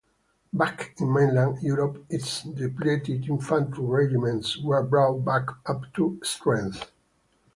Back in mainland Europe, its depleted infantry regiments were brought back up to strength.